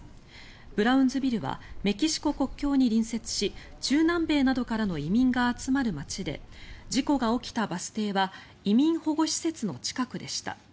ブラウンズビルはメキシコ国境に隣接し中南米などからの移民が集まる街で事故が起きたバス停は移民保護施設の近くでした。